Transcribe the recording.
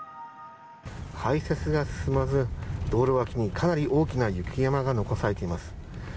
排雪が進まず、道路脇にかなり大きな雪山が残されています。